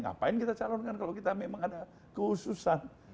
ngapain kita calonkan kalau kita memang ada kehususan